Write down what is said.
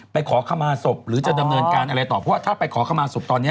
ขอขมาศพหรือจะดำเนินการอะไรต่อเพราะว่าถ้าไปขอขมาศพตอนนี้